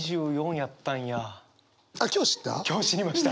あっ今日知った？